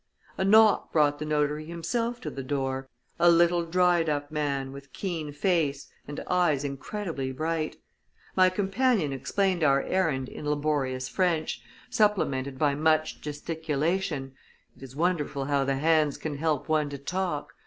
A knock brought the notary himself to the door, a little dried up man, with keen face, and eyes incredibly bright. My companion explained our errand in laborious French, supplemented by much gesticulation it is wonderful how the hands can help one to talk!